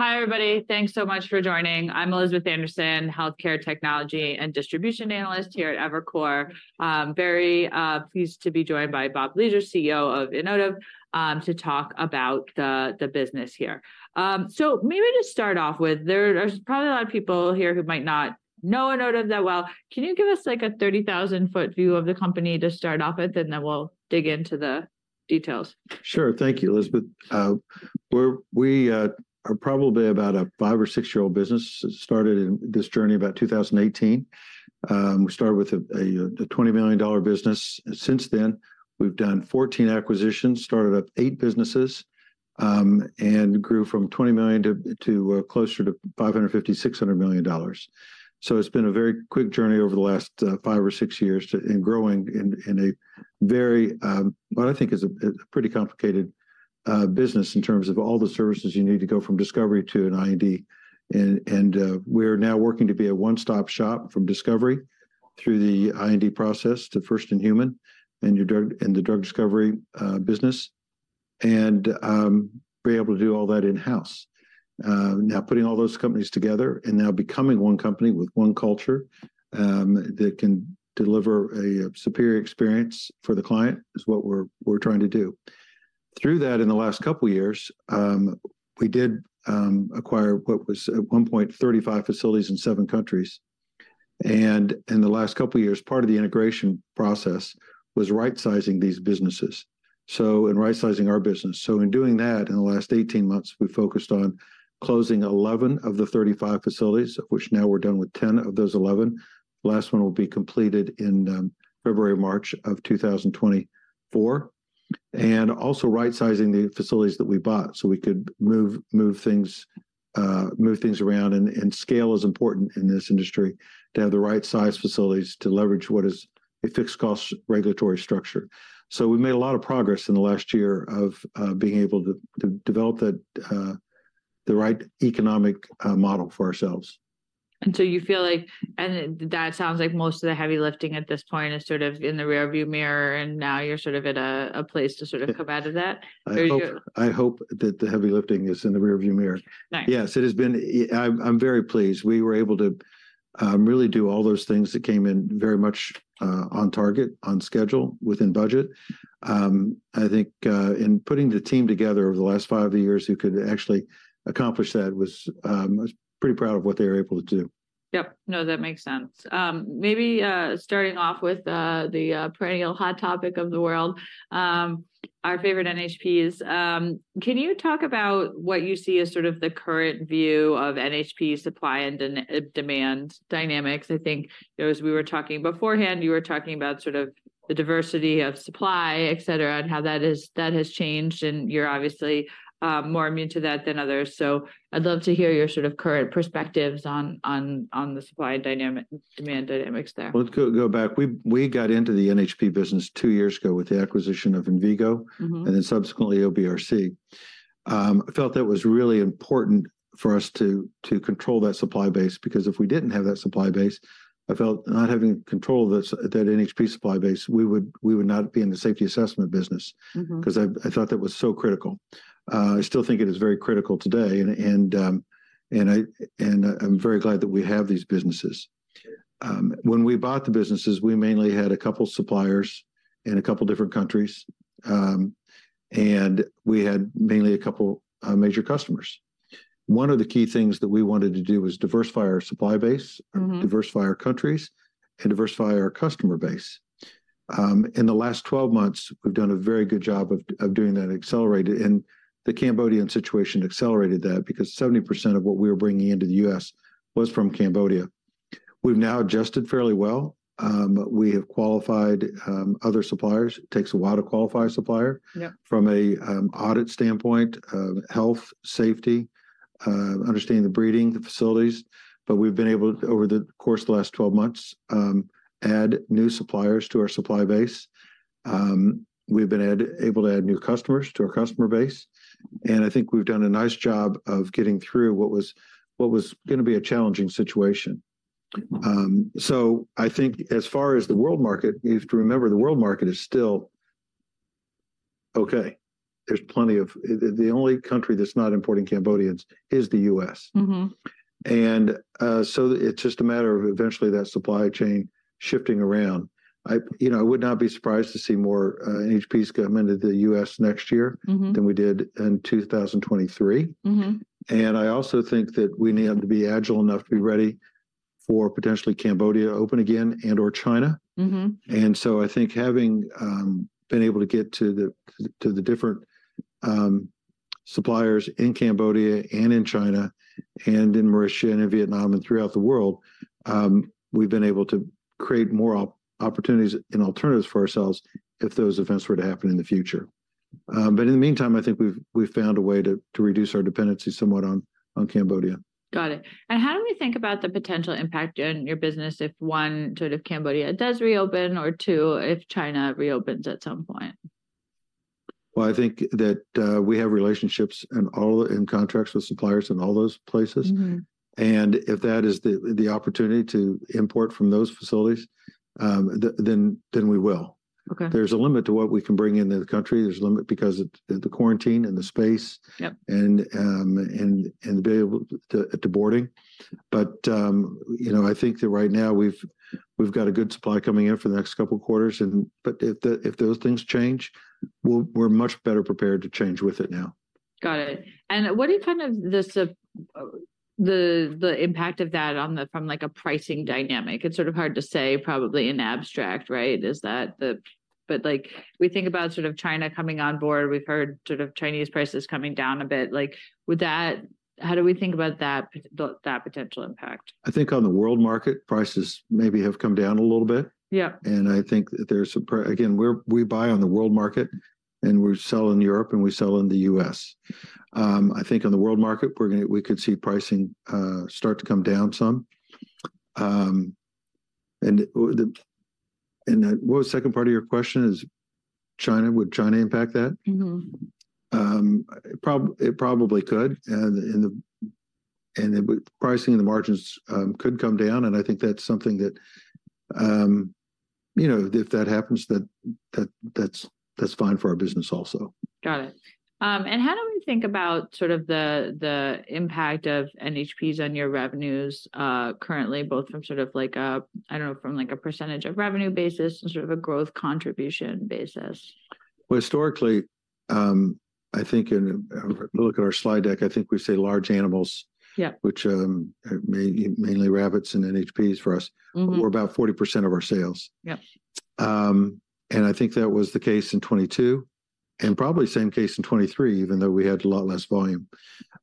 Hi, everybody. Thanks so much for joining. I'm Elizabeth Anderson, Healthcare Technology and Distribution Analyst here at Evercore. Very pleased to be joined by Bob Leasure, CEO of Inotiv, to talk about the business here. So maybe to start off with, there's probably a lot of people here who might not know Inotiv that well. Can you give us, like, a 30,000-foot view of the company to start off with, and then we'll dig into the details? Sure. Thank you, Elizabeth. We are probably about a five- or six-year-old business. Started in this journey about 2018. We started with a $20 million business, and since then, we've done 14 acquisitions, started up eight businesses, and grew from $20 million to closer to $550-$600 million. So it's been a very quick journey over the last five or six years to grow in a very what I think is a pretty complicated business in terms of all the services you need to go from discovery to an IND. And we're now working to be a one-stop shop from discovery through the IND process to first in human, and the drug discovery business, and be able to do all that in-house. Now putting all those companies together and now becoming one company with one culture that can deliver a superior experience for the client is what we're trying to do. Through that, in the last couple of years, we did acquire what was at one point 35 facilities in seven countries. And in the last couple of years, part of the integration process was right-sizing these businesses, so and right-sizing our business. So in doing that, in the last 18 months, we focused on closing 11 of the 35 facilities, which now we're done with 10 of those 11. Last one will be completed in February, March of 2024. And also right-sizing the facilities that we bought so we could move things around. Scale is important in this industry, to have the right size facilities to leverage what is a fixed cost regulatory structure. So we've made a lot of progress in the last year of being able to develop the right economic model for ourselves. That sounds like most of the heavy lifting at this point is sort of in the rear view mirror, and now you're sort of at a place to sort of come out of that? Or you- I hope, I hope that the heavy lifting is in the rear view mirror. Nice. Yes, it has been. I'm very pleased. We were able to really do all those things that came in very much on target, on schedule, within budget. I think in putting the team together over the last five years who could actually accomplish that was, I was pretty proud of what they were able to do. Yep. No, that makes sense. Maybe starting off with the perennial hot topic of the world, our favorite NHPs. Can you talk about what you see as sort of the current view of NHP supply and demand dynamics? I think, you know, as we were talking beforehand, you were talking about sort of the diversity of supply, et cetera, and how that has changed, and you're obviously more immune to that than others. So I'd love to hear your sort of current perspectives on the supply and demand dynamics there. Well, let's go back. We got into the NHP business two years ago with the acquisition of Envigo-... and then subsequently, OBRC. I felt that was really important for us to control that supply base, because if we didn't have that supply base, I felt not having control of that NHP supply base, we would not be in the safety assessment business. 'Cause I thought that was so critical. I still think it is very critical today, and I'm very glad that we have these businesses. When we bought the businesses, we mainly had a couple suppliers in a couple different countries, and we had mainly a couple major customers. One of the key things that we wanted to do was diversify our supply base-... diversify our countries, and diversify our customer base. In the last 12 months, we've done a very good job of doing that, accelerated, and the Cambodian situation accelerated that because 70% of what we were bringing into the U.S. was from Cambodia. We've now adjusted fairly well. We have qualified other suppliers. It takes a while to qualify a supplier- Yeah... from a, audit standpoint of health, safety, understanding the breeding, the facilities. But we've been able, over the course of the last 12 months, add new suppliers to our supply base. We've been able to add new customers to our customer base, and I think we've done a nice job of getting through what was gonna be a challenging situation. So I think as far as the world market, you have to remember, the world market is still okay. There's plenty of... The only country that's not importing Cambodians is the U.S. So it's just a matter of eventually that supply chain shifting around. I, you know, I would not be surprised to see more NHPs come into the US next year-... than we did in 2023. I also think that we need to be agile enough to be ready for potentially Cambodia open again and/or China. I think having been able to get to the different suppliers in Cambodia and in China and in Mauritius and in Vietnam and throughout the world, we've been able to create more opportunities and alternatives for ourselves if those events were to happen in the future. But in the meantime, I think we've found a way to reduce our dependency somewhat on Cambodia. Got it. And how do we think about the potential impact on your business if, one, sort of Cambodia does reopen, or two, if China reopens at some point? Well, I think that, we have relationships and all, and contracts with suppliers in all those places. And if that is the opportunity to import from those facilities, then we will.... There's a limit to what we can bring into the country. There's a limit because of the quarantine and the space- Yep. and be able to at the border. But you know, I think that right now we've got a good supply coming in for the next couple quarters, and but if those things change, we're much better prepared to change with it now. Got it. And what do you kind of see as the impact of that on, from like, a pricing dynamic? It's sort of hard to say probably in abstract, right? Is that the... But, like, we think about sort of China coming on board. We've heard sort of Chinese prices coming down a bit. Like, would that, how do we think about that potential impact? I think on the world market, prices maybe have come down a little bit. Yep. I think again, we buy on the world market, and we sell in Europe, and we sell in the US. I think on the world market, we could see pricing start to come down some. What was the second part of your question, is China? Would China impact that? It probably could, and the pricing and the margins could come down, and I think that's something that, you know, if that happens, then that's fine for our business also. Got it. And how do we think about sort of the impact of NHPs on your revenues, currently, both from sort of like a, I don't know, like, a percentage of revenue basis and sort of a growth contribution basis? Well, historically, I think in... If you look at our slide deck, I think we say large animals- Yep... which are mainly rabbits and NHPs for us- were about 40% of our sales. Yep. I think that was the case in 2022, and probably the same case in 2023, even though we had a lot less volume,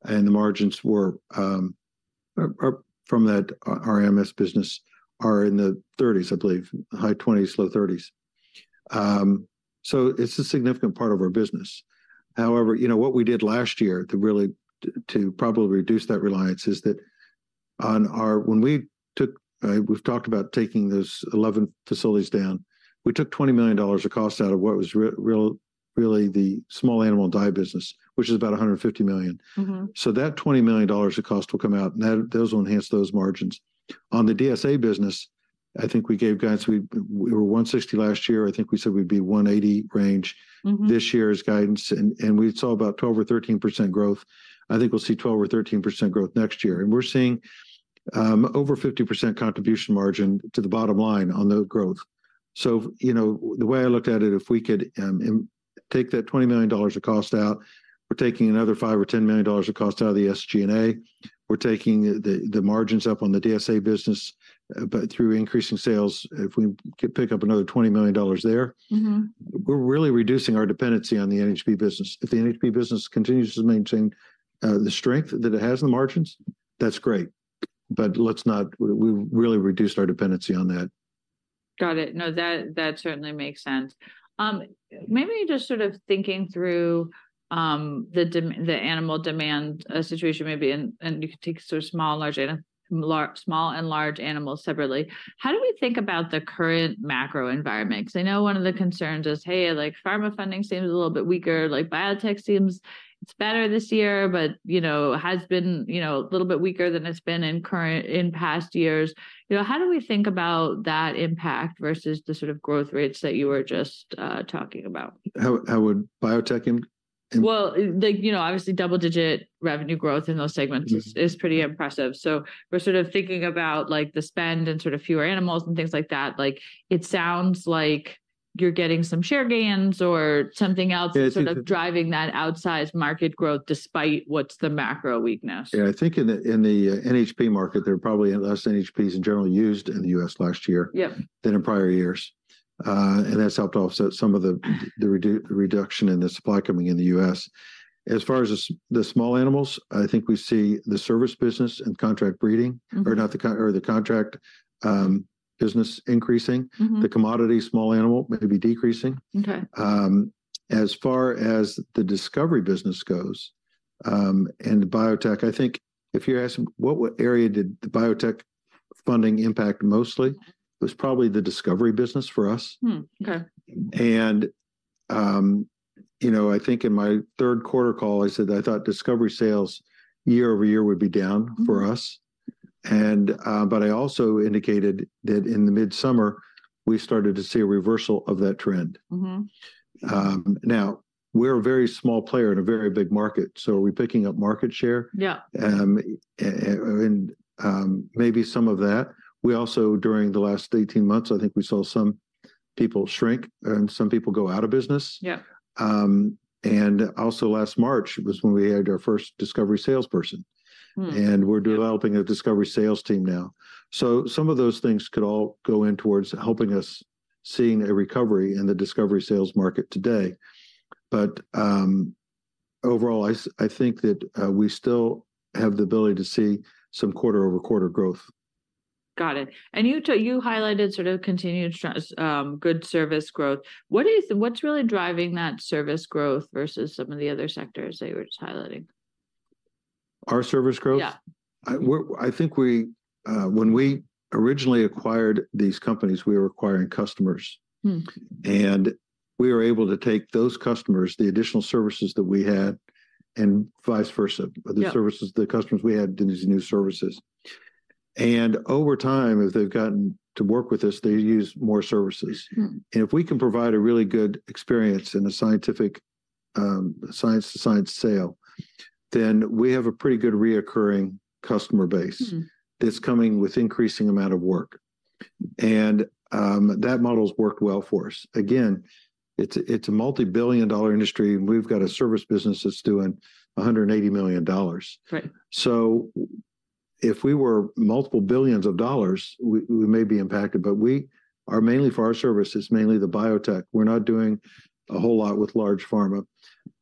and the margins were from that RMS business in the 30s, I believe, high 20s, low 30s. So it's a significant part of our business. However, you know, what we did last year to really to probably reduce that reliance is that on our... When we took, we've talked about taking those 11 facilities down, we took $20 million of cost out of what was really the small animal diet business, which is about $150 million. So that $20 million of cost will come out, and that, those will enhance those margins. On the DSA business, I think we gave guidance. We were $160 million last year. I think we said we'd be $180 million range-... this year's guidance, and we saw about 12%-13% growth. I think we'll see 12%-13% growth next year, and we're seeing over 50% contribution margin to the bottom line on the growth. So, you know, the way I looked at it, if we could take that $20 million of cost out, we're taking another $5 million-$10 million of cost out of the SG&A. We're taking the margins up on the DSA business, but through increasing sales, if we could pick up another $20 million there-... we're really reducing our dependency on the NHP business. If the NHP business continues to maintain the strength that it has in the margins, that's great, but let's not... We really reduced our dependency on that. Got it. No, that, that certainly makes sense. Maybe just sort of thinking through the animal demand situation maybe, and you could take sort of small and large animals separately. How do we think about the current macro environment? 'Cause I know one of the concerns is, hey, like, pharma funding seems a little bit weaker, like biotech seems it's better this year, but, you know, has been, you know, a little bit weaker than it's been in past years. You know, how do we think about that impact versus the sort of growth rates that you were just talking about? How would biotech and— Well, the, you know, obviously, double-digit revenue growth in those segments-... is pretty impressive. So we're sort of thinking about, like, the spend and sort of fewer animals and things like that. Like, it sounds like you're getting some share gains or something else- Yes, it- - sort of driving that outsized market growth despite what's the macro weakness. Yeah, I think in the NHP market, there are probably less NHPs in general used in the U.S. last year- Yep... than in prior years. And that's helped offset some of the reduction in the supply coming in the U.S. As far as the small animals, I think we see the service business and contract breeding-... or not the contract, business increasing-... the commodity small animal maybe decreasing. Okay. As far as the discovery business goes, and the biotech, I think if you're asking, what area did the biotech funding impact mostly? It was probably the discovery business for us. Hmm, okay. You know, I think in my third quarter call, I said that I thought discovery sales year-over-year would be down for us. But I also indicated that in the midsummer, we started to see a reversal of that trend. Now, we're a very small player in a very big market, so are we picking up market share? Yeah. And maybe some of that. We also, during the last 18 months, I think we saw some people shrink and some people go out of business. Yeah. Also, last March was when we hired our first discovery salesperson. And we're developing- Yep... a discovery sales team now. So some of those things could all go in towards helping us seeing a recovery in the discovery sales market today. But, overall, I think that we still have the ability to see some quarter-over-quarter growth. Got it. And you highlighted sort of continued good service growth. What's really driving that service growth versus some of the other sectors that you were just highlighting? Our service growth? Yeah. I think when we originally acquired these companies, we were acquiring customers. We were able to take those customers, the additional services that we had, and vice versa- Yeah... the services, the customers we had in these new services. Over time, if they've gotten to work with us, they use more services. If we can provide a really good experience in a scientific, science-to-science sale, then we have a pretty good recurring customer base-... that's coming with increasing amount of work. And, that model's worked well for us. Again, it's a multi-billion-dollar industry, and we've got a service business that's doing $180 million. Right. If we were multiple billions of dollars, we, we may be impacted, but we are mainly for our services, mainly the biotech. We're not doing a whole lot with large pharma.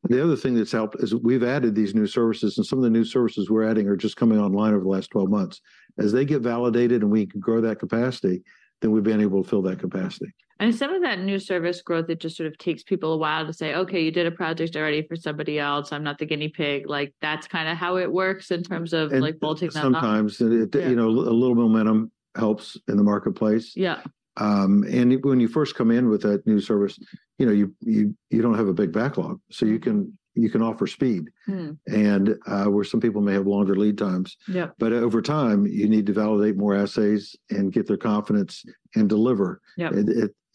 The other thing that's helped is we've added these new services, and some of the new services we're adding are just coming online over the last 12 months. As they get validated and we can grow that capacity, then we've been able to fill that capacity. Some of that new service growth, it just sort of takes people a while to say, "Okay, you did a project already for somebody else. I'm not the guinea pig." Like, that's kind of how it works in terms of like building that up. Sometimes. Yeah. You know, a little momentum helps in the marketplace. Yeah. When you first come in with a new service, you know, you don't have a big backlog, so you can offer speed. where some people may have longer lead times. Yeah. But over time, you need to validate more assays and get their confidence and deliver. Yeah.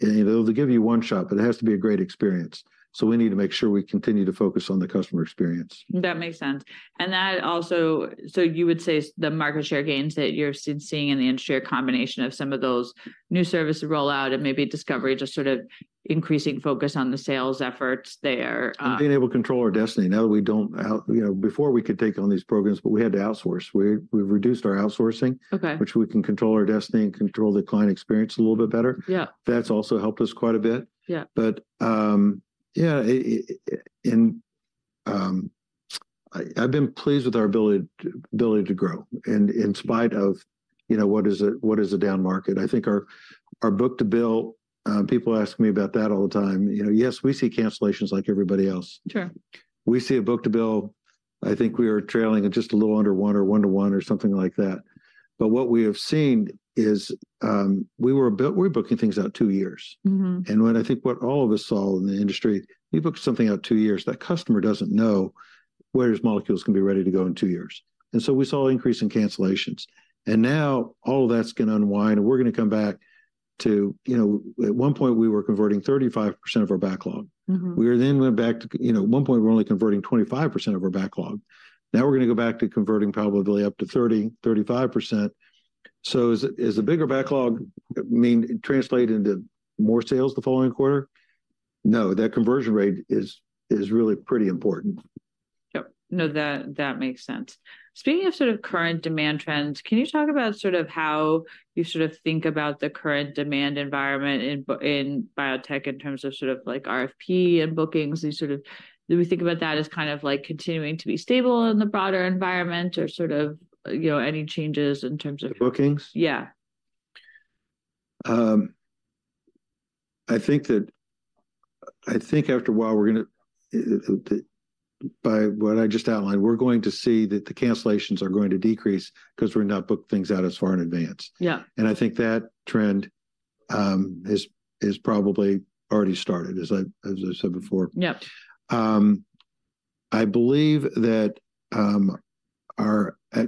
You know, they'll give you one shot, but it has to be a great experience. So we need to make sure we continue to focus on the customer experience. That makes sense. And that also, so you would say the market share gains that you're seeing in the industry are a combination of some of those new service rollout and maybe discovery, just sort of increasing focus on the sales efforts there. Being able to control our destiny. Now we don't. You know, before we could take on these programs, but we had to outsource. We've reduced our outsourcing- Okay... which we can control our destiny and control the client experience a little bit better. Yeah. That's also helped us quite a bit. Yeah. But in, I've been pleased with our ability, ability to grow, and in spite of, you know, what is a, what is a down market. I think our, our book-to-bill, people ask me about that all the time. You know, yes, we see cancellations like everybody else. Sure. We see a book-to-bill, I think we are trailing at just a little under 1 or 1 to 1 or something like that. But what we have seen is, we're booking things out 2 years. What I think all of us saw in the industry, you book something out two years, that customer doesn't know whether his molecules can be ready to go in two years. Now all of that's gonna unwind, and we're gonna come back to, you know... At one point, we were converting 35% of our backlog. We then went back to, you know, at one point we were only converting 25% of our backlog. Now we're gonna go back to converting probably up to 30%-35%. So is, does a bigger backlog mean translate into more sales the following quarter? No, that conversion rate is, is really pretty important. Yep. No, that, that makes sense. Speaking of sort of current demand trends, can you talk about sort of how you sort of think about the current demand environment in biotech in terms of sort of like RFP and bookings? Do you sort of, do we think about that as kind of like continuing to be stable in the broader environment or sort of, you know, any changes in terms of? Bookings? Yeah. I think after a while, by what I just outlined, we're going to see that the cancellations are going to decrease 'cause we've not booked things out as far in advance. Yeah. I think that trend is probably already started, as I said before. Yeah. I believe that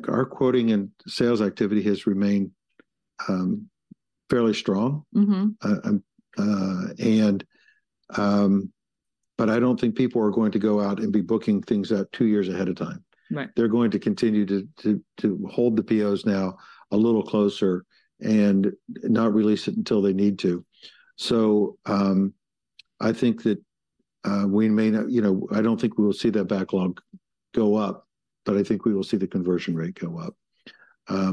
our quoting and sales activity has remained fairly strong. But I don't think people are going to go out and be booking things out two years ahead of time. Right. They're going to continue to hold the POs now a little closer and not release it until they need to. So, I think that we may not, you know, I don't think we will see that backlog go up, but I think we will see the conversion rate go up.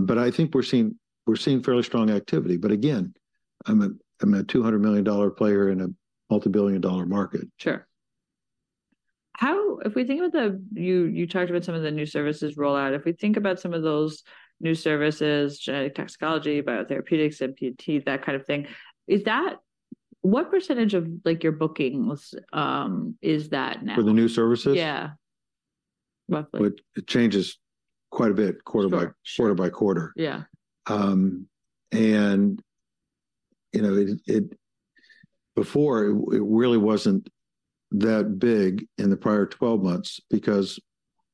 But I think we're seeing fairly strong activity. But again, I'm a $200 million player in a multi-billion dollar market. Sure. If we think about the, you talked about some of the new services rollout. If we think about some of those new services, Genetic Toxicology, Biotherapeutics, NTP, that kind of thing, is that—what percentage of, like, your bookings is that now? For the new services? Yeah. Roughly. Well, it changes quite a bit quarter by- Sure... quarter by quarter. Yeah. You know, it really wasn't that big in the prior 12 months because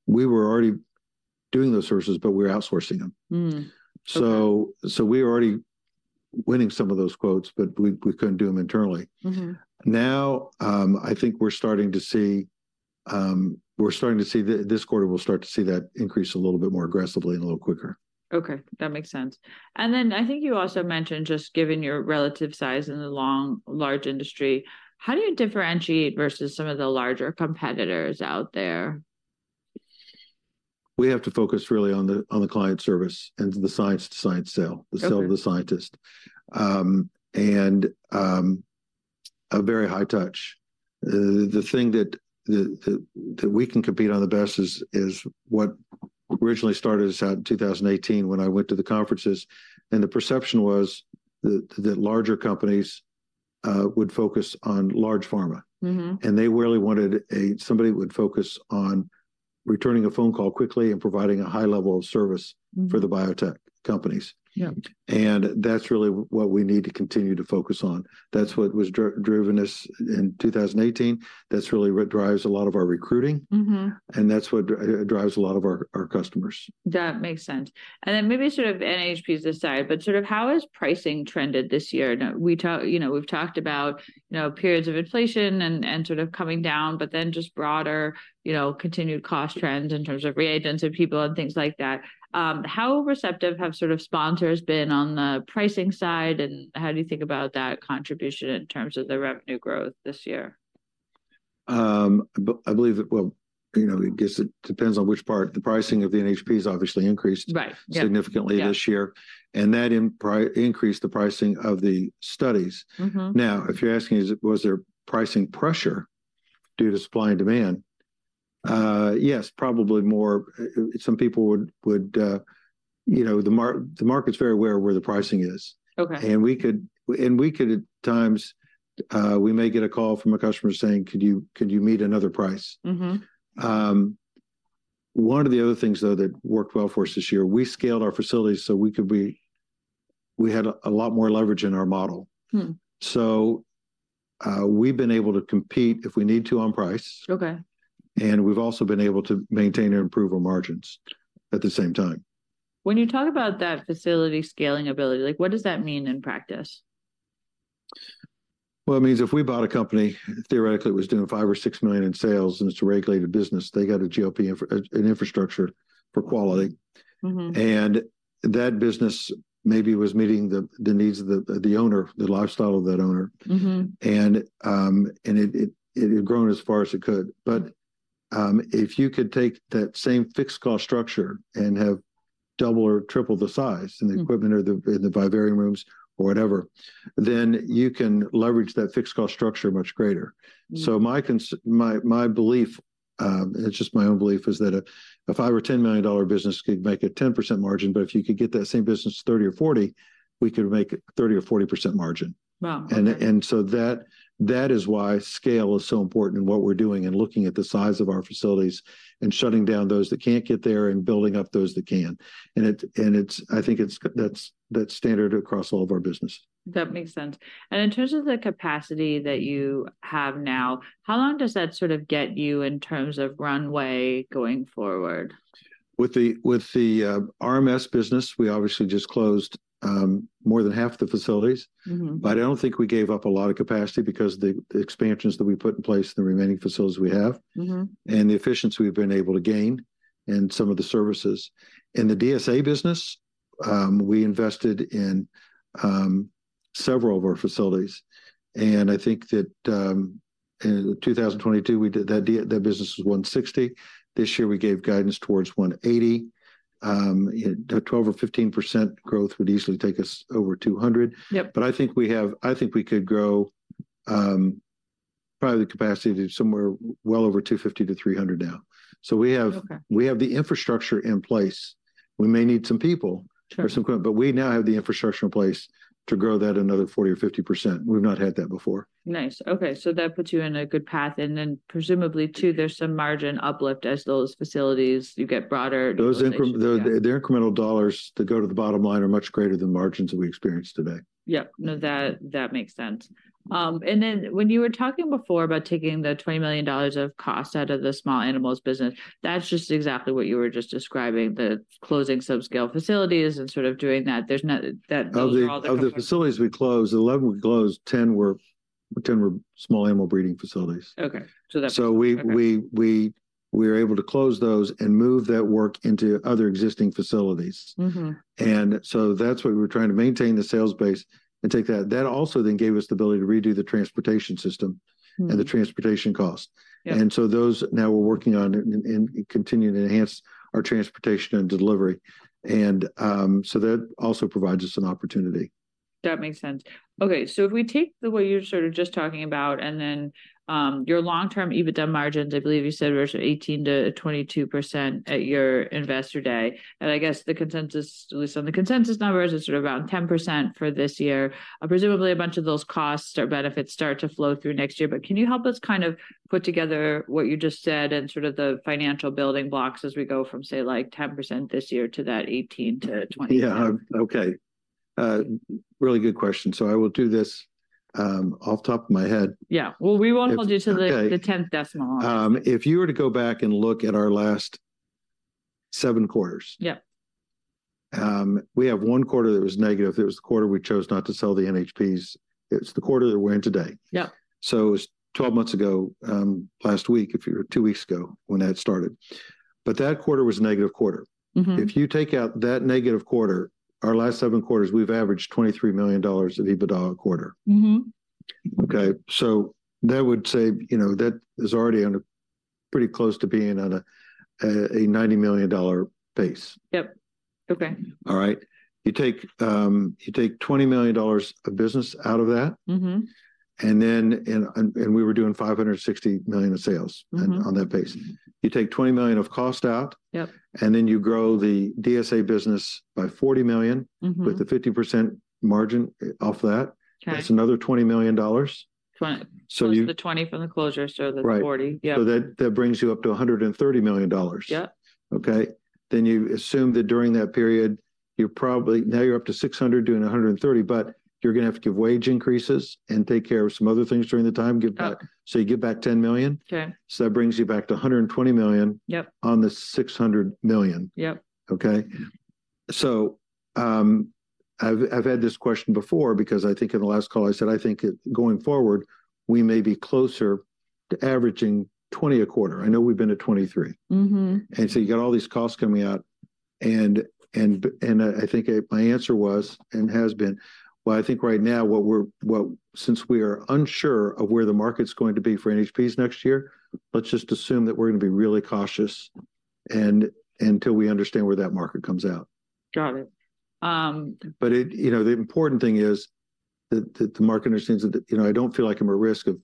we were already doing those services, but we were outsourcing them. Mm. Okay. So we were already winning some of those quotes, but we couldn't do them internally. Now, I think we're starting to see, we're starting to see, this quarter we'll start to see that increase a little bit more aggressively and a little quicker. Okay, that makes sense. And then I think you also mentioned, just given your relative size in the long, large industry, how do you differentiate versus some of the larger competitors out there? We have to focus really on the client service and the science-to-science sale- Okay... the sale to the scientist. A very high touch. The thing that we can compete on the best is what originally started us out in 2018 when I went to the conferences, and the perception was that larger companies would focus on large pharma. They really wanted somebody who would focus on returning a phone call quickly and providing a high level of service. for the biotech companies. Yep. That's really what we need to continue to focus on. That's what was driven us in 2018. That's really what drives a lot of our recruiting. And that's what drives a lot of our, our customers. That makes sense. And then maybe sort of NHPs aside, but sort of how has pricing trended this year? Now, we talk, you know, we've talked about, you know, periods of inflation and, and sort of coming down, but then just broader, you know, continued cost trends in terms of reagents and people, and things like that. How receptive have sort of sponsors been on the pricing side, and how do you think about that contribution in terms of the revenue growth this year? I believe that. Well, you know, I guess it depends on which part. The pricing of the NHP has obviously increased- Right, yeah... significantly this year. Yeah. That industry increased the pricing of the studies. Now, if you're asking, is it, was there pricing pressure due to supply and demand? Yes, probably more. Some people would... You know, the market's very aware of where the pricing is. Okay. We could at times, we may get a call from a customer saying, "Could you meet another price? One of the other things, though, that worked well for us this year, we scaled our facilities so we could be... We had a lot more leverage in our model. We've been able to compete if we need to on price. Okay. We've also been able to maintain and improve our margins at the same time. When you talk about that facility scaling ability, like, what does that mean in practice? Well, it means if we bought a company, theoretically it was doing $5 million or $6 million in sales, and it's a regulated business, they got a GLP infrastructure for quality. And that business maybe was meeting the needs of the owner, the lifestyle of that owner. And it had grown as far as it could. But if you could take that same fixed cost structure and have double or triple the size-... and the equipment and the vivarium rooms or whatever, then you can leverage that fixed cost structure much greater. So my belief, and it's just my own belief, is that a $5-$10 million business could make a 10% margin, but if you could get that same business to 30%-40%, we could make a 30%-40% margin. Wow, okay. And so that is why scale is so important in what we're doing, and looking at the size of our facilities, and shutting down those that can't get there, and building up those that can. And it's... I think that's standard across all of our business. That makes sense. In terms of the capacity that you have now, how long does that sort of get you in terms of runway going forward? With the RMS business, we obviously just closed more than half the facilities. But I don't think we gave up a lot of capacity because the expansions that we put in place in the remaining facilities we have-... and the efficiency we've been able to gain, and some of the services. In the DSA business, we invested in several of our facilities, and I think that, in 2022, we did, that business was $160. This year we gave guidance towards $180. The 12% or 15% growth would easily take us over $200. Yep. But I think we have... I think we could grow, probably the capacity to somewhere well over 250-300 now. So we have- Okay... We have the infrastructure in place. We may need some people- Sure... or some equipment, but we now have the infrastructure in place to grow that another 40%-50%. We've not had that before. Nice. Okay, so that puts you in a good path, and then presumably, too, there's some margin uplift as those facilities, you get broader utilization, yeah. Those incremental dollars that go to the bottom line are much greater than margins that we experience today. Yep. No, that, that makes sense. And then when you were talking before about taking the $20 million of cost out of the small animals business, that's just exactly what you were just describing, the closing subscale facilities and sort of doing that. There's no... That, those are all- Of the facilities we closed, the 11 we closed, 10 were small animal breeding facilities. Okay. So that's- We were able to close those and move that work into other existing facilities. That's what we were trying to maintain the sales base and take that. That also gave us the ability to redo the transportation system-... and the transportation cost. Yeah. And so those now we're working on it and, and continuing to enhance our transportation and delivery. And, so that also provides us an opportunity. That makes sense. Okay, so if we take the way you're sort of just talking about, and then, your long-term EBITDA margins, I believe you said were sort of 18%-22% at your Investor Day. And I guess the consensus, at least on the consensus numbers, is sort of around 10% for this year. Presumably, a bunch of those costs or benefits start to flow through next year. But can you help us kind of put together what you just said and sort of the financial building blocks as we go from, say, like, 10% this year to that 18%-20%? Yeah. Okay. Really good question, so I will do this off the top of my head. Yeah. If- Well, we won't hold you to the- Okay... the 10th decimal. If you were to go back and look at our last seven quarters- Yep... we have one quarter that was negative. It was the quarter we chose not to sell the NHPs. It's the quarter that we're in today. Yeah. It was 12 months ago, last week, or two weeks ago, when that started. That quarter was a negative quarter. If you take out that negative quarter, our last 7 quarters, we've averaged $23 million of EBITDA a quarter. Okay, so that would say, you know, that is already under, pretty close to being on a $90 million pace. Yep. Okay. All right? You take, you take $20 million of business out of that-... and then we were doing $560 million of sales-... on that pace. You take $20 million of cost out- Yep... and then you grow the DSA business by $40 million-... with a 50% margin, off that- Okay... that's another $20 million. Twenty. So you- Plus the 20 from the closure, so that's 40. Right. Yeah. So that brings you up to $130 million. Yep. Okay? Then you assume that during that period, you're probably, now you're up to 600 doing $130, but you're gonna have to give wage increases and take care of some other things during the time, give back- Okay. You give back $10 million. Okay. That brings you back to $120 million- Yep -on the $600 million. Yep. Okay? So, I've had this question before, because I think in the last call I said, going forward, we may be closer to averaging 20 a quarter. I know we've been at 23. And so you got all these costs coming out, and, and, and, I think, my answer was and has been, well, I think right now, well, since we are unsure of where the market's going to be for NHPs next year, let's just assume that we're gonna be really cautious, and until we understand where that market comes out. Got it. But it, you know, the important thing is that the market understands that, you know, I don't feel like I'm at risk of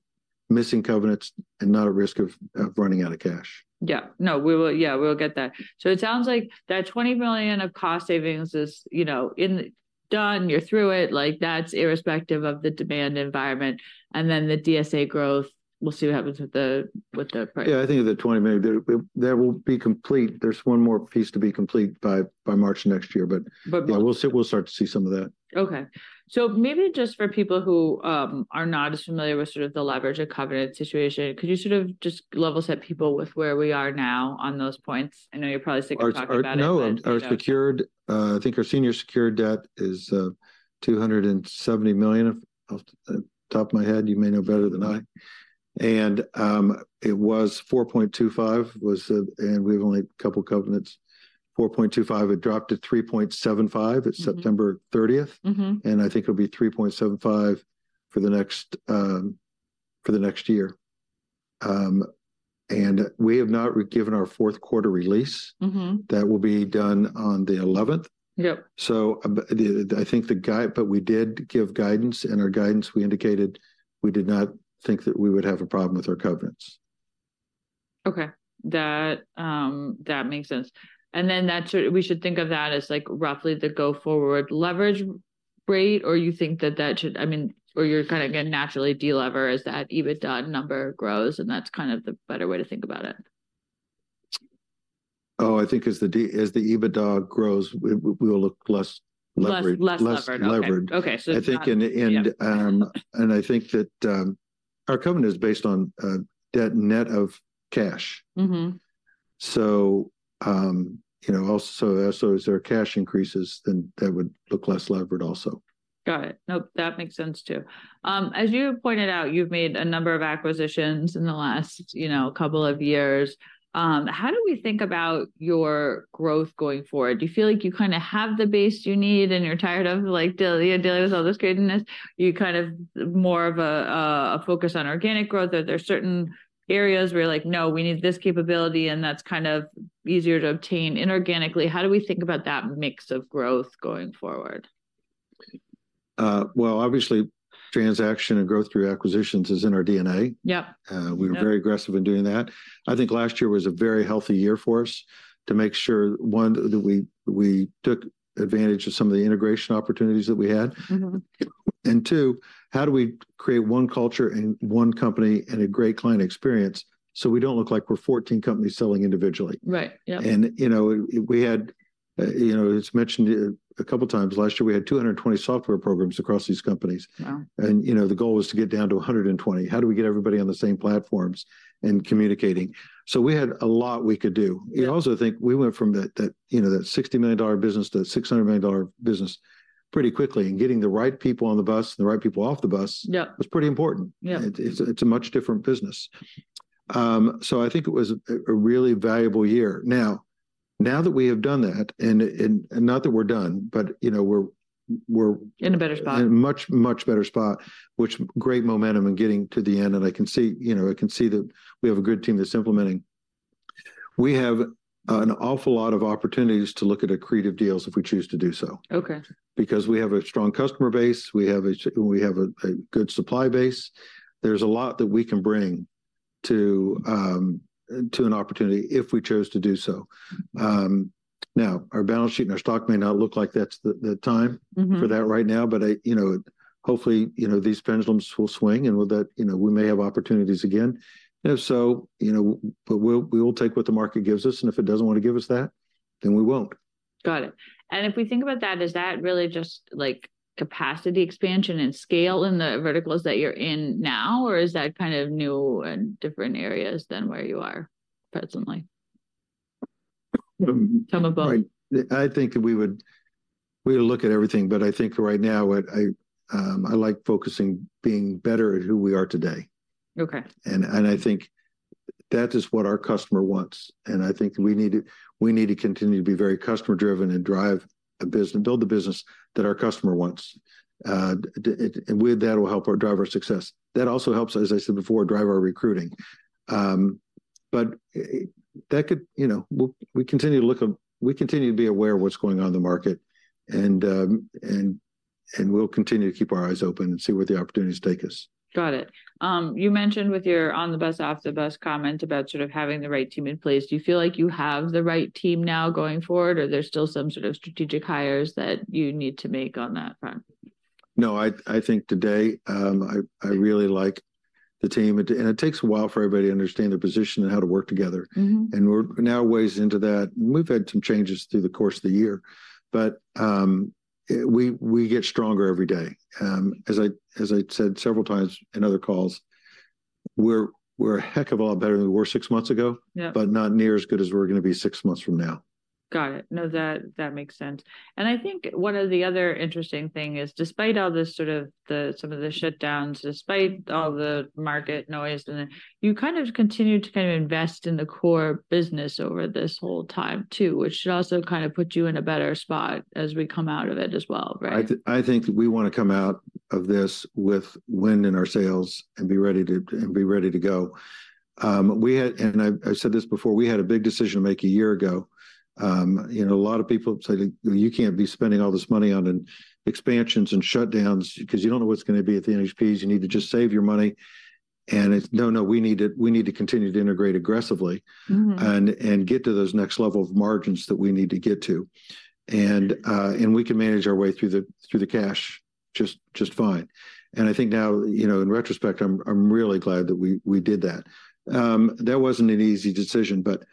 missing covenants and not at risk of running out of cash. Yeah. No, we will... Yeah, we'll get that. So it sounds like that $20 million of cost savings is, you know, done, you're through it, like, that's irrespective of the demand environment, and then the DSA growth, we'll see what happens with the, with the price. Yeah, I think the $20 million, that will be complete. There's one more piece to be complete by March next year, but- But-... yeah, we'll see, we'll start to see some of that. Okay. So maybe just for people who are not as familiar with sort of the leverage or covenant situation, could you sort of just level set people with where we are now on those points? I know you're probably sick of talking about it, but, you know- No, our secured, I think our senior secured debt is $270 million, off the top of my head, you may know better than I. And it was 4.25, was... And we've only a couple covenants, 4.25, it dropped to 3.75 at-... September 30th. I think it'll be 3.75 for the next year. We have not given our fourth quarter release. That will be done on the 11th. Yep. So, I think the guidance, but we did give guidance, and our guidance, we indicated we did not think that we would have a problem with our covenants. Okay, that, that makes sense. And then that should—we should think of that as, like, roughly the go-forward leverage rate, or you think that that should... I mean, or you're kind of gonna naturally de-lever as that EBITDA number grows, and that's kind of the better way to think about it? Oh, I think as the EBITDA grows, we, we will look less levered. Less, less levered.... less levered. Okay. So it's not- I think that our covenant is based on debt net of cash. You know, also, as our cash increases, then that would look less levered also. Got it. Nope, that makes sense, too. As you pointed out, you've made a number of acquisitions in the last, you know, couple of years. How do we think about your growth going forward? Do you feel like you kind of have the base you need, and you're tired of, like, dealing with all this craziness? You kind of more of a focus on organic growth, are there certain areas where you're like, "No, we need this capability, and that's kind of easier to obtain inorganically"? How do we think about that mix of growth going forward? Well, obviously, transactions and growth through acquisitions is in our DNA. Yep. We're very- Yep... aggressive in doing that. I think last year was a very healthy year for us to make sure, one, that we took advantage of some of the integration opportunities that we had. And two, how do we create one culture and one company and a great client experience, so we don't look like we're 14 companies selling individually? Right, yep. You know, we had, you know, it's mentioned a couple times. Last year we had 220 software programs across these companies. Wow! You know, the goal was to get down to 120. How do we get everybody on the same platforms and communicating? So we had a lot we could do. Yep. We also think we went from that, you know, that $60 million business to a $600 million business pretty quickly, and getting the right people on the bus and the right people off the bus- Yep... was pretty important. Yep. It's a much different business. So I think it was a really valuable year. Now that we have done that, and not that we're done, but, you know, we're- In a better spot.... in a much, much better spot, with great momentum in getting to the end, and I can see, you know, I can see that we have a good team that's implementing. We have an awful lot of opportunities to look at accretive deals if we choose to do so. Okay. Because we have a strong customer base, we have a good supply base. There's a lot that we can bring to an opportunity if we chose to do so. Now, our balance sheet and our stock may not look like that's the time-... for that right now, but you know, hopefully, you know, these pendulums will swing, and with that, you know, we may have opportunities again. If so, you know, but we'll, we will take what the market gives us, and if it doesn't wanna give us that, then we won't. Got it. And if we think about that, is that really just, like, capacity expansion and scale in the verticals that you're in now, or is that kind of new and different areas than where you are presently? Some of both. I think we would, we'll look at everything, but I think right now, what I like focusing, being better at who we are today. Okay. I think that is what our customer wants, and I think we need to, we need to continue to be very customer-driven and drive the business-build the business that our customer wants. And with that will help drive our success. That also helps, as I said before, drive our recruiting. But that could... You know, we'll continue to look at-we continue to be aware of what's going on in the market, and we'll continue to keep our eyes open and see where the opportunities take us. Got it. You mentioned with your, "on the bus, off the bus" comment about sort of having the right team in place. Do you feel like you have the right team now going forward, or there's still some sort of strategic hires that you need to make on that front?... No, I think today, I really like the team. It takes a while for everybody to understand their position and how to work together. We're now a ways into that. We've had some changes through the course of the year, but we get stronger every day. As I said several times in other calls, we're a heck of a lot better than we were six months ago. Yeah but not near as good as we're gonna be six months from now. Got it. No, that makes sense. And I think one of the other interesting thing is, despite all this sort of the, some of the shutdowns, despite all the market noise, and then you kind of continued to kind of invest in the core business over this whole time, too, which should also kind of put you in a better spot as we come out of it as well, right? I think we wanna come out of this with wind in our sails and be ready to, and be ready to go. We had, I've said this before, we had a big decision to make a year ago. You know, a lot of people say, "You can't be spending all this money on expansions and shutdowns, 'cause you don't know what's gonna be at the NHPs. You need to just save your money." And it's, "No, no, we need to, we need to continue to integrate aggressively-... and get to those next level of margins that we need to get to. And we can manage our way through the, through the cash just, just fine." And I think now, you know, in retrospect, I'm really glad that we did that. That wasn't an easy decision, but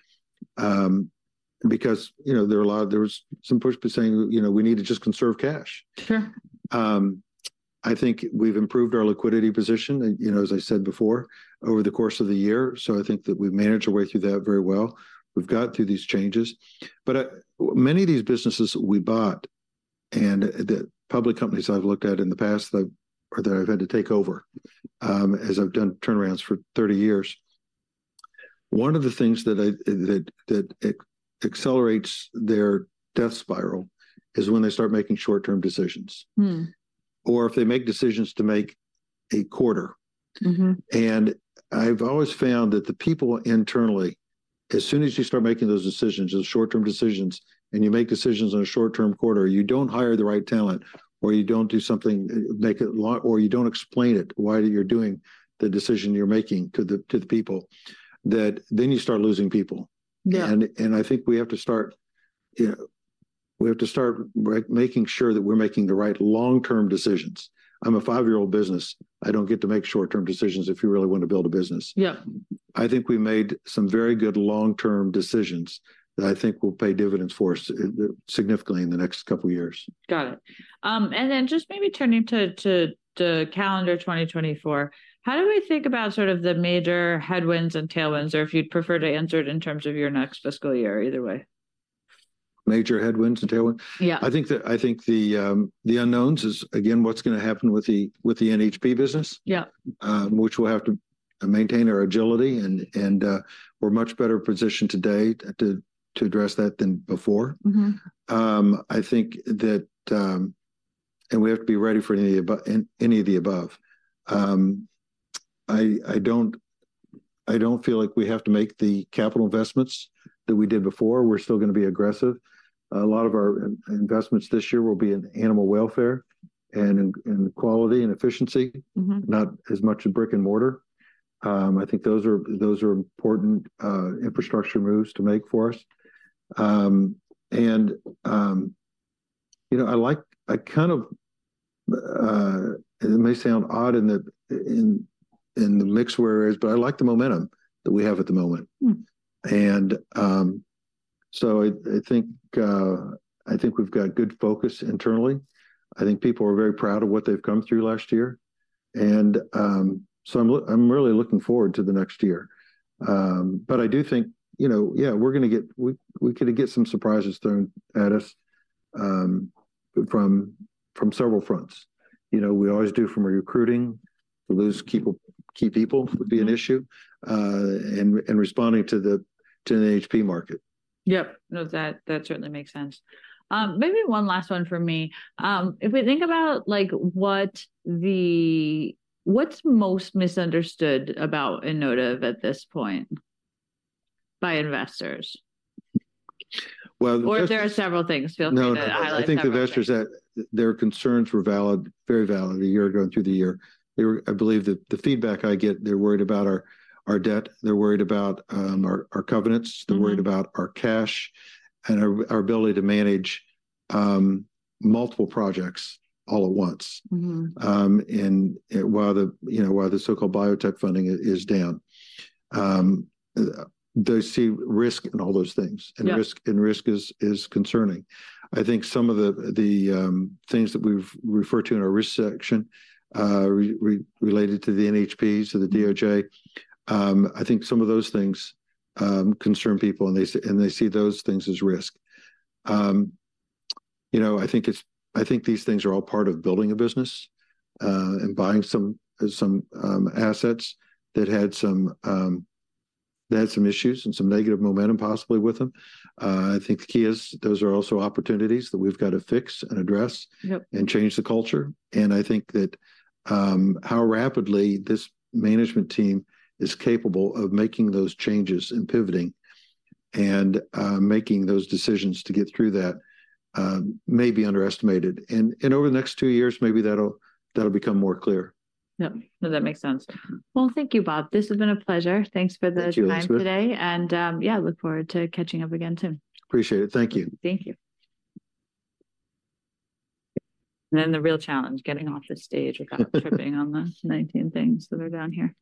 because, you know, there were a lot of... There was some push by saying, "You know, we need to just conserve cash. Sure. I think we've improved our liquidity position and, you know, as I said before, over the course of the year, so I think that we've managed our way through that very well. We've got through these changes. But many of these businesses we bought, and the public companies I've looked at in the past that, or that I've had to take over, as I've done turnarounds for 30 years, one of the things that accelerates their death spiral is when they start making short-term decisions. Or if they make decisions to make a quarter. I've always found that the people internally, as soon as you start making those decisions, those short-term decisions, and you make decisions on a short-term quarter, you don't hire the right talent, or you don't do something, or you don't explain it, why you're doing the decision you're making to the people, that then you start losing people. Yeah. I think we have to start making sure that we're making the right long-term decisions. I'm a five-year-old business, I don't get to make short-term decisions if you really want to build a business. Yeah. I think we made some very good long-term decisions that I think will pay dividends for us, significantly in the next couple of years. Got it. And then just maybe turning to calendar 2024, how do we think about sort of the major headwinds and tailwinds, or if you'd prefer to answer it in terms of your next fiscal year, either way? Major headwinds and tailwinds? Yeah. I think the unknowns is, again, what's gonna happen with the NHP business- Yeah... which we'll have to maintain our agility, and we're much better positioned today to address that than before. I think that, and we have to be ready for any of the above, any of the above. I don't feel like we have to make the capital investments that we did before. We're still gonna be aggressive. A lot of our investments this year will be in animal welfare and in quality and efficiency-... not as much in brick-and-mortar. I think those are, those are important infrastructure moves to make for us. You know, I like, I kind of, it may sound odd in the mix where it is, but I like the momentum that we have at the moment. I think we've got good focus internally. I think people are very proud of what they've come through last year. I'm really looking forward to the next year. But I do think, you know, yeah, we're gonna get... We could get some surprises thrown at us, from several fronts. You know, we always do from our recruiting, to lose key people would be an issue, and responding to the NHP market. Yep. No, that, that certainly makes sense. Maybe one last one from me. If we think about, like, what the- what's most misunderstood about Inotiv at this point by investors? Well, just- Or if there are several things, feel free to highlight- No, I, I think the investors that, their concerns were valid, very valid, a year ago through the year. They were... I believe that the feedback I get, they're worried about our, our debt, they're worried about, our, our covenants-... they're worried about our cash and our, our ability to manage multiple projects all at once. And while, you know, the so-called biotech funding is down, they see risk in all those things. Yeah... and risk, and risk is concerning. I think some of the things that we've referred to in our risk section related to the NHPs or the DOJ. I think some of those things concern people, and they see those things as risk. You know, I think these things are all part of building a business, and buying some assets that had some issues and some negative momentum possibly with them. I think the key is those are also opportunities that we've got to fix and address- Yep... and change the culture. And I think that how rapidly this management team is capable of making those changes and pivoting, and making those decisions to get through that may be underestimated. And over the next two years, maybe that'll become more clear. Yep. No, that makes sense. Well, thank you, Bob. This has been a pleasure. Thanks for the time today. Thank you, Elizabeth. Yeah, look forward to catching up again soon. Appreciate it. Thank you. Thank you. And then the real challenge, getting off the stage... without tripping on the 19 things that are down here.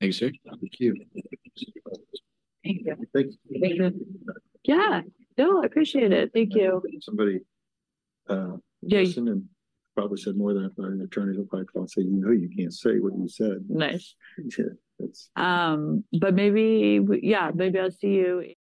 Thank you, sir. Thank you. Thank you. Thanks. Thank you. Yeah. No, I appreciate it. Thank you. Somebody, uh- Yeah... probably said more than an attorney will probably say, "You know, you can't say what you said. Nice. Yeah. That's- But maybe, yeah, maybe I'll see you-